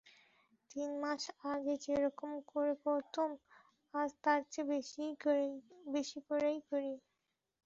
তিন মাস আগে যেরকম করে করতুম, আজ তার চেয়ে বেশি করেই করি।